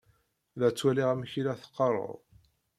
La ttwaliɣ amek i la teqqaṛeḍ.